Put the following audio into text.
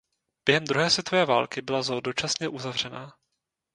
Během druhé světové války byla zoo dočasně uzavřená.